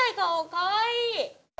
かわいい。